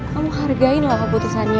kamu hargain lah keputusannya